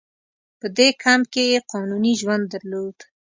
په دې کمپ کې یې قانوني ژوند درلود.